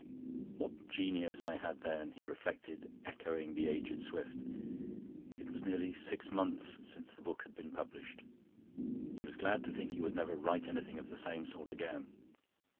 "What genius I had then!" he reflected, echoing the aged Swift. It was nearly six months since the book had been published; he was glad to think he would never write anything of the same sort again.